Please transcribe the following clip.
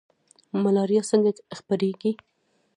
ملاریا څنګه خپریږي؟